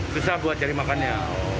susah buat cari makannya